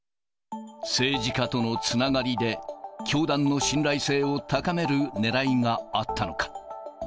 政治家とのつながりで、教団の信頼性を高めるねらいがあったのか。